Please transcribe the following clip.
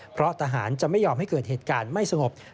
เพราะทหารจะไม่ยอมให้เกิดเหตุการณ์ไม่สงบ